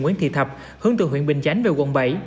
nguyễn thị thập hướng từ huyện bình chánh về quận bảy